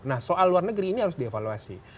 nah soal luar negeri ini harus dievaluasi